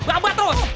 buka buka terus